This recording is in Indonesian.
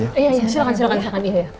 iya iya silahkan silahkan